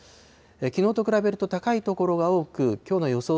きのうと比べると高い所が多く、きょうの予想